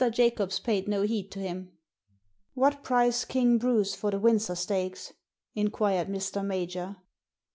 Jacobs paid no heed to him. " What price King Bruce for the Windsor Stakes?" inquired Mr. Major.